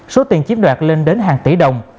số tiền chiếm đoạt lên đến hàng tỷ đồng